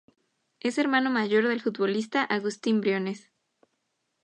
Es hermano mayor del futbolista Agustín Briones.